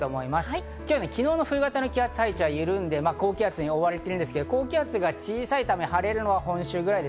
昨日の冬型の気圧配置は緩んで高気圧に覆われているんですが、高気圧が小さいため、晴れるのは今週ぐらい。